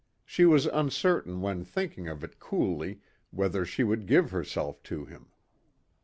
She was uncertain when thinking of it coolly whether she would give herself to him.